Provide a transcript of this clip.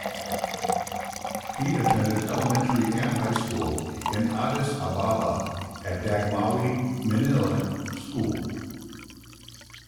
He attended elementary and high school in Addis Ababa at Dagmawi Minilik School.